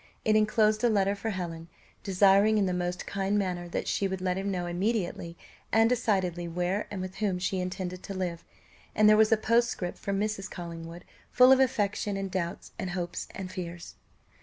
It enclosed a letter for Helen, desiring in the most kind manner that she would let him know immediately and decidedly where and with whom she intended to live; and there was a postscript from Mrs. Collingwood full of affection, and doubts, and hopes, and fears.